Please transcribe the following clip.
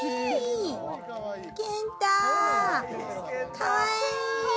かわいい！